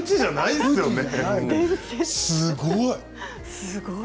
すごい。